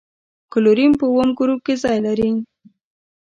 کلورین په اووم ګروپ کې ځای لري.